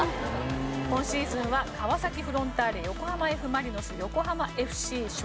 今シーズンは川崎フロンターレ横浜Ｆ・マリノス横浜ＦＣ湘南ベルマーレ。